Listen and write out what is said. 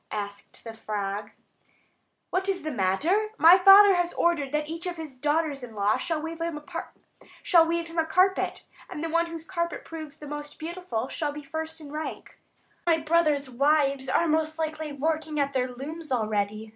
asked the frog. "What is the matter? My father has ordered that each of his daughters in law shall weave him a carpet, and the one whose carpet proves the most beautiful shall be first in rank. My brothers' wives are most likely working at their looms already.